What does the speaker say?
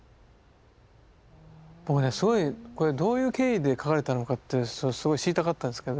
僕ねすごいこれどういう経緯で描かれたのかってすごい知りたかったんですけど。